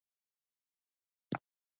د پایپ لاینونو شبکه پراخه ده.